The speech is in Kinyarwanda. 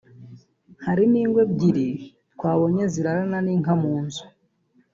Hari n’ingo ebyiri twabonye zirarana n’inka mu nzu